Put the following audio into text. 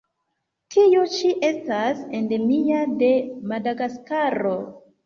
Tiu ĉi estas endemia de Madagaskaro.